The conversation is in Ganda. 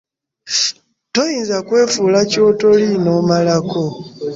Toyinza kwefuula ky'otoli n'omalako.